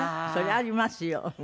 そりゃありますよ。